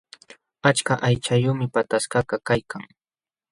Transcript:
Achka aychayuqmi pataskakaq kaykan.